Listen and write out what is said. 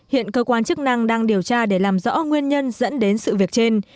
hiện cơ quan chức năng đang điều tra để làm rõ nguyên nhân dẫn đến sự việc trên